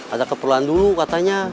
ada keperluan dulu katanya